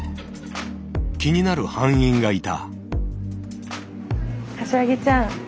気になる班員がいた。